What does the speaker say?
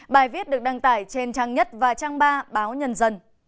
bài viết được đăng tải trên trang nhất và trang ba báo nhân dân